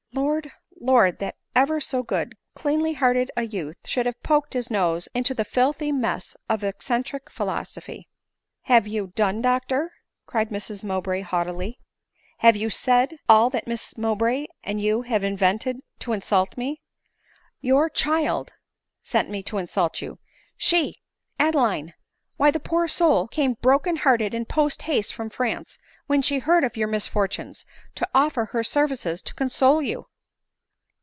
Lord ! Lord! that ever so good, cleanly hearted a youth should have poked his nose into the filthy mess of eccen tric philosophy!" "Have you done, doctor?" cried Mrs Mowbray haughtily; have you said all that Miss Mowbray and you have invented to insult me ?"" Your child send me to insult you !— She !— Adeline ! —Why, the poor soul came broken hearted and post haste from France when she heard of your misfortunes, to offer her services to console you."